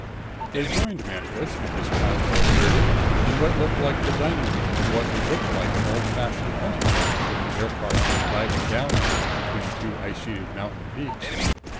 They joined Mantelish and his plasmoid weirdie in what looked like the dining room of what had looked like an old fashioned hunting lodge when the aircar came diving down on it between two ice sheeted mountain peaks.